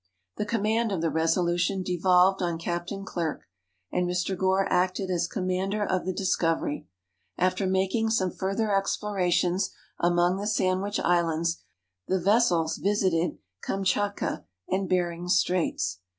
The command of the Resolution devolved on Cap tain Clerke, and Mr. Gore acted as commander of the Si8 THE LAST VOYAGE OF CAPTAIN COOK Discovery. After making some further explorations among the Sandwich Islands, the vessels visited Kam tschatkaand Behring's Straits.